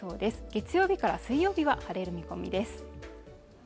月曜日から水曜日は晴れる見込みです